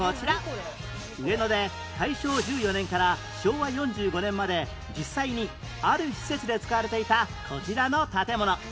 上野で大正１４年から昭和４５年まで実際にある施設で使われていたこちらの建物